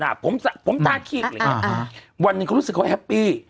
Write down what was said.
วันหนึ่งเขารู้สึกแฮปปี้